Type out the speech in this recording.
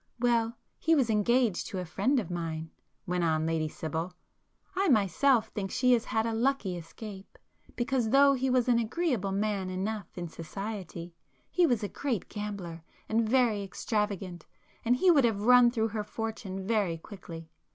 Well, he was engaged to a friend of mine," went on Lady Sibyl—"I myself think she has had a lucky escape, because though he was an agreeable man enough in society, he was a great gambler, and very extravagant, and he would have run through her fortune very quickly.